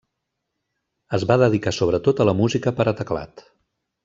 Es va dedicar sobretot a la música per a teclat.